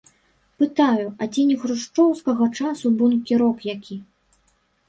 Пытаю, а ці не хрушчоўскага часу бункерок які.